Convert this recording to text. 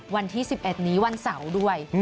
วันที่๑๑นี้วันเสาร์ด้วย